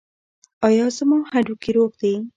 ایا زما هډوکي روغ دي؟